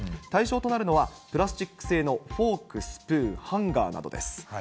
対象となるのは、プラスチック製のフォーク、スプーン、ハンガーなどです。